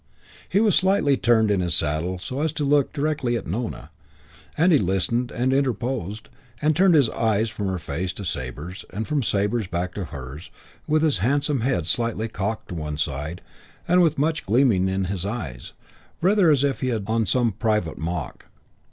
He was slightly turned in his saddle so as to look directly at Nona, and he listened and interposed, and turned his eyes from her face to Sabre's, and from Sabre's back to hers, with his handsome head slightly cocked to one side and with much gleaming in his eyes; rather as if he had on some private mock.